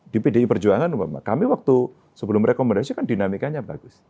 di pdi perjuangan kami waktu sebelum rekomendasi kan dinamikanya bagus